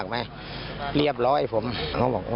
กระทั่งตำรวจก็มาด้วยนะคะ